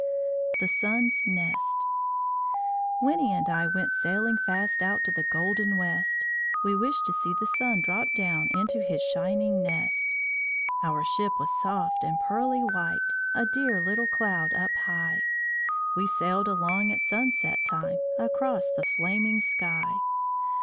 THE SUN'S NEST Winnie and I went sailing fast Out to the golden West. We wished to see the Sun drop down Into his shining nest. Our ship was soft and pearly white A dear little cloud up high. We sailed along at sunset time, Across the flaming sky.